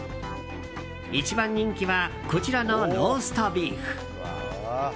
一番人気はこちらのローストビーフ。